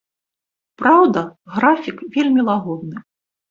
Праўда, графік вельмі лагодны.